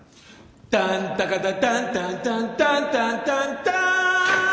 タンタカタタンタンタンタンタンタンターン！